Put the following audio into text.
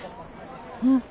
うん。